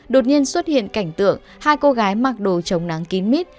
đột nhiên xuất hiện cảnh tượng hai cô gái mặc đồ trồng nắng kín mít